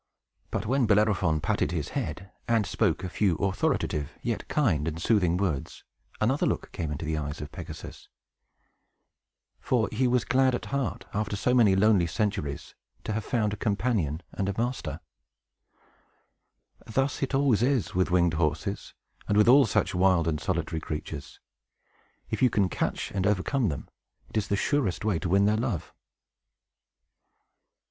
But when Bellerophon patted his head, and spoke a few authoritative, yet kind and soothing words, another look came into the eyes of Pegasus; for he was glad at heart, after so many lonely centuries, to have found a companion and a master. Thus it always is with winged horses, and with all such wild and solitary creatures. If you can catch and overcome them, it is the surest way to win their love.